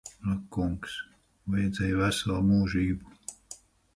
Ak kungs. Vajadzēja veselu mūžību.